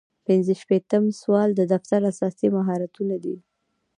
پنځه شپیتم سوال د دفتر اساسي مهارتونه دي.